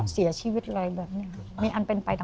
เสียชีวิตอะไรแบบนี้มีอันเป็นไปได้